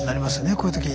こういう時。